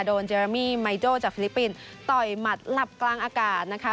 เจรามี่ไมโจ้จากฟิลิปปินส์ต่อยหมัดหลับกลางอากาศนะคะ